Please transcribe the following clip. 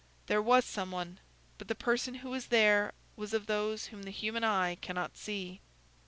There was some one; but the person who was there was of those whom the human eye cannot see.